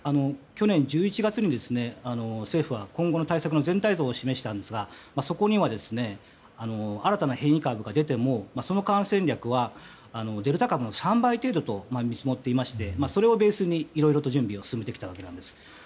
去年１１月に政府は今後の対策の全体像を示したんですがそこには、新たな変異株が出てもその感染力はデルタ株の３倍程度と見積もっていましてそれをベースにいろいろと準備を進めてきたわけです。